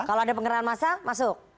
kalau ada pengerahan masa masuk